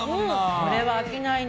これは飽きないね。